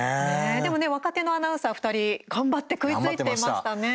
でもね若手のアナウンサー２人頑張って食いついていましたね。